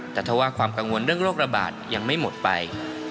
แต่ถ้าว่าความกังวลเรื่องโรคระบาดยังไม่หมดไป